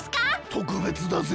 とくべつだぜ。